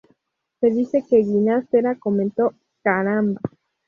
Se dice que Ginastera comentó: ""¡Caramba!